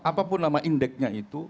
apapun nama indeksnya itu